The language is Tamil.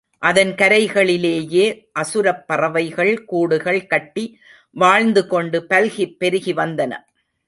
அதன் கரைகளிலேயே அசுரப் பறவைகள் கூடுகள் கட்டி வாழ்ந்துகொண்டு பல்கிப் பெருகி வந்தன.